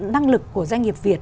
năng lực của doanh nghiệp việt